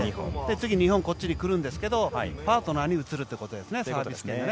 次、２本こっちに来るんですけどパートナーに移るということですね。